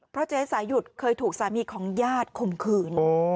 เพราะเจ๊สายุทธ์เคยถูกสามีของญาติข่มขืน